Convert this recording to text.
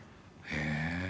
へえ。